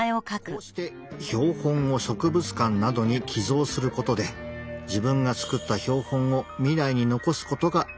こうして標本を植物館などに寄贈することで自分が作った標本を未来に残すことができます。